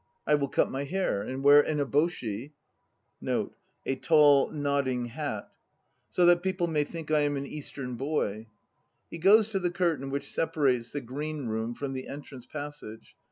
I will cut my hair and wear an eboshi, 1 so that people may think I am an Eastern boy. (He goes to the curtain which separates the green room from the entrance passage.